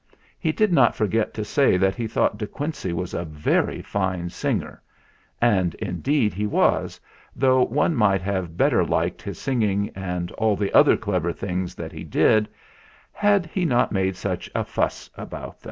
He did not forget to say that he thought De Quincey was a very fine singer ; and indeed he was, though one might have better liked his singing, and all the other clever things that he did, had he not made such a fuss about them.